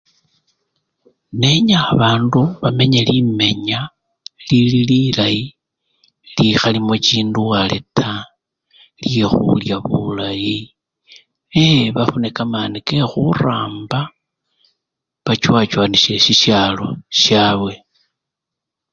Nenya babandu bamenye limenya lili lilayi likhalimo chindwale taa, lyekhulya bulayi ee! bafune kamani kekhuramba bachowa chowanishe shishalo shabwe.